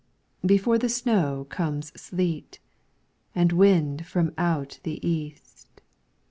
Before the snow comes sleet, And wind from out the East.